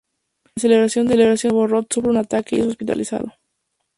En la celebración de año nuevo Roth sufre un ataque y es hospitalizado.